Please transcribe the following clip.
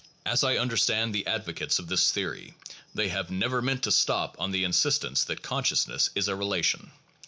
As I understand the advocates of this theory, they have never meant to stop on the insistence that conscious ness is a relation.